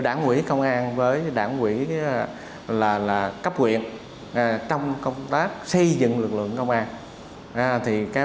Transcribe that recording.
đảng quỹ công an với đảng quỹ là là cấp quyền trong công tác xây dựng lực lượng công an thì cái